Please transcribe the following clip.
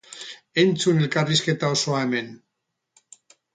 Entzun elkarrizketa osoa hemen.